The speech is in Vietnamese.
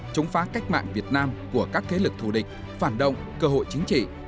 chống phá cách mạng việt nam của các thế lực thù địch phản động cơ hội chính trị